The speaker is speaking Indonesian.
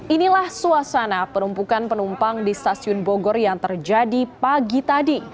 inilah suasana penumpukan penumpang di stasiun bogor yang terjadi pagi tadi